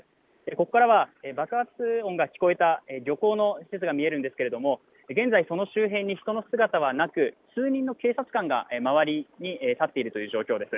ここからは爆発音が聞こえた漁港の施設が見えるんですが、現在その周辺に人の姿はなく数人の警察官が周りに立っているという状況です。